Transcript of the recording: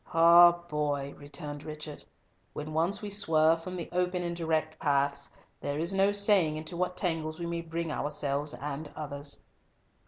"Ah, boy!" returned Richard, "when once we swerve from the open and direct paths, there is no saying into what tangles we may bring ourselves and others."